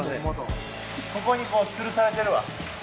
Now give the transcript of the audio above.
ここにこうつるされてるわ。